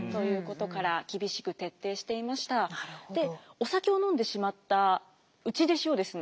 お酒を飲んでしまった内弟子をですね